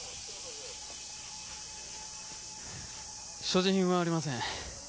所持品はありません。